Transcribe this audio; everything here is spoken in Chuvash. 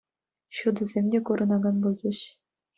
Ҫутӑсем те курӑнакан пулчӗҫ.